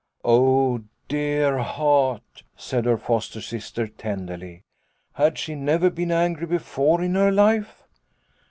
" Oh, dear heart," said her foster sister tenderly, " had she never been angry before in her life